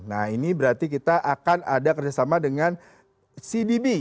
nah ini berarti kita akan ada kerjasama dengan cdb